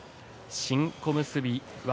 新小結で。